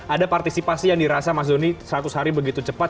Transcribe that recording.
ada partisipasi yang dirasa mas doni seratus hari begitu cepat